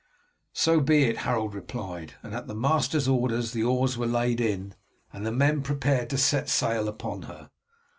"So be it," Harold replied; and at the master's orders the oars were laid in, and the men prepared to get sail upon her.